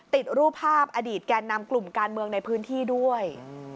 ติดรูปภาพอดีตแก่นำกลุ่มการเมืองในพื้นที่ด้วย